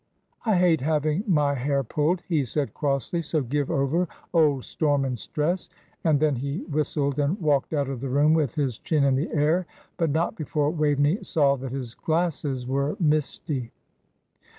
"I hate having my hair pulled," he said, crossly; "so give over, old Storm and Stress;" and then he whistled and walked out of the room with his chin in the air; but not before Waveney saw that his glasses were misty.